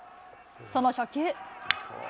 その初球。